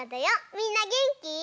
みんなげんき？